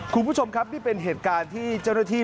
คุณผู้ชมครับนี่เป็นเหตุการณ์ที่เจ้าหน้าที่